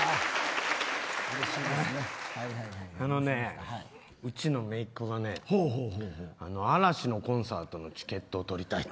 あのね、うちの姪っ子がねＡＲＡＳＨＩのコンサートのチケットを取りたいって。